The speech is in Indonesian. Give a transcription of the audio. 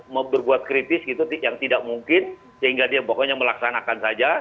membuat kritis yang tidak mungkin sehingga dia pokoknya melaksanakan saja